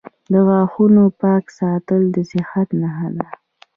• د غاښونو پاک ساتل د صحت نښه ده.